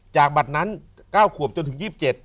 จากบัตรนั้น๙ขวบจนถึง๒๗